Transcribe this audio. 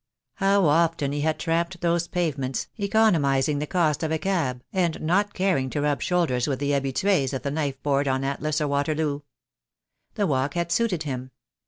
How often he had tramped those pavements, economizing the cost of a cab, and not caring to rub shoulders with the habitues of the knife board on Atlas or Waterloo. The walk had suited him.